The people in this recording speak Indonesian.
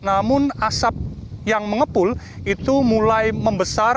namun asap yang mengepul itu mulai membesar